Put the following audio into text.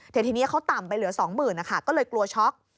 แต่ทีนี้เขาต่ำไปเหลือ๒๐๐๐นะคะก็เลยกลัวช็อก